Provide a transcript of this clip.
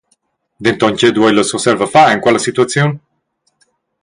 Denton tgei duei la Surselva far en quella situaziun?